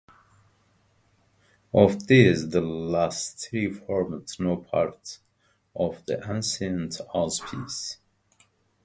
Of these, the last three formed no part of the ancient auspices.